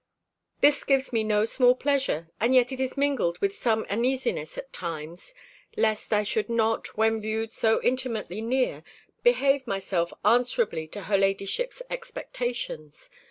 This gives me no small pleasure, and yet it is mingled with some uneasiness at times; lest I should not, when viewed so intimately near, behave myself answerably to her ladyship's expectations.